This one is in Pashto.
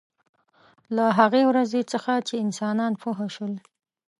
له هغې ورځې څخه چې انسانان پوه شول.